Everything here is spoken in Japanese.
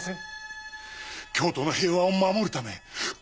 京都の平和を守るためこの孝麿